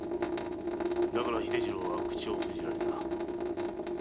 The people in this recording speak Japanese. だから秀次郎は口を封じられた。